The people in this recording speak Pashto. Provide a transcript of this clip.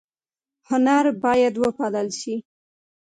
هنر باید وپال ل شي